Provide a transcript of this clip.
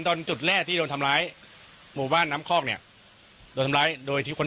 จุดแรกที่โดนทำร้ายหมู่บ้านน้ำคอกเนี่ยโดนทำร้ายโดยที่คน